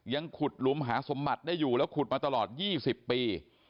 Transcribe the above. ยังขุดหลุมหาสมบัติได้อยู่แล้วขุดมาตลอด๒๐ปี